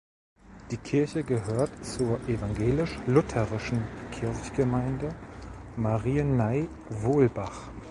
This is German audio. Die Kirche gehört zur Evangelisch-lutherischen Kirchgemeinde Marieney-Wohlbach.